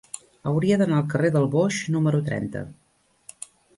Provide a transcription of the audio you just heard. Hauria d'anar al carrer del Boix número trenta.